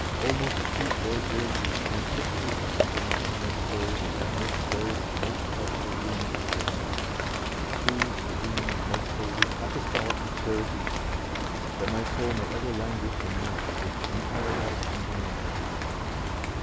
"O most sweet Lord Jesu, transfix the affections of my inmost soul with that most joyous and most healthful wound of Thy love, with true, serene, most holy, apostolical charity; that my soul may ever languish and melt with entire love and longing for Thee.